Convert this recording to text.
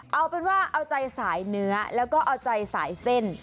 เอาเป็นว่าเอาใจสายเนื้อแล้วก็เอาใจสายเส้น